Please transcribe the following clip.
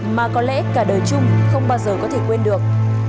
mà có lẽ cả đời chung không bao giờ có thể quên được